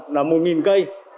là một cây